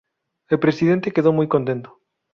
El presidente quedó muy contento.